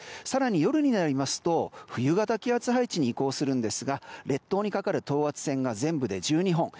更に夜になりますと冬型気圧配置に移行するんですが列島にかかる等圧線が全部で１２本。